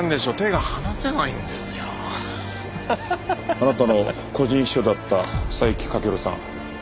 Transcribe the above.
あなたの個人秘書だった斉木翔さん。